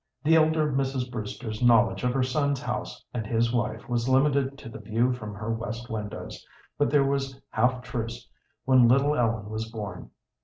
The elder Mrs. Brewster's knowledge of her son's house and his wife was limited to the view from her west windows, but there was half truce when little Ellen was born.